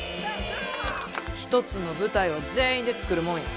一つの舞台は全員で作るもんや。